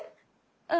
うん。